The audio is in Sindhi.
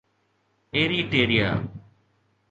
ايريٽيريا